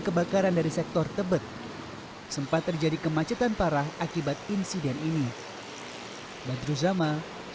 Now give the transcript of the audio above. kebakaran dari sektor tebet sempat terjadi kemacetan parah akibat insiden ini badru zamal